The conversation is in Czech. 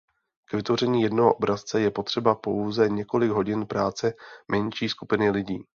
K vytvoření jednoho obrazce je potřeba pouze několik hodin práce menší skupiny lidí.